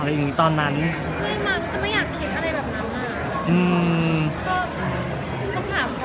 ไม่แม้บอกชั้นไม่อยากคิดอะไรแบบนั้นน่ะ